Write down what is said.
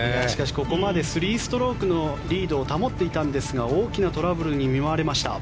ここまで３ストロークのリードを保っていたんですが大きなトラブルに見舞われました。